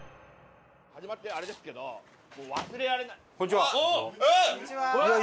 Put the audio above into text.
始まってあれですけどもう忘れられない。